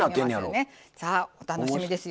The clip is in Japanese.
さあお楽しみですよ。